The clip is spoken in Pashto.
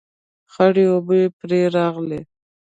خړې اوبه پرې راغلې